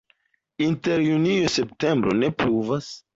Inter junio-septembro ne pluvas.